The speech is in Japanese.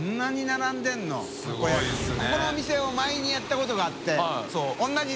海海お店を前にやったことがあって。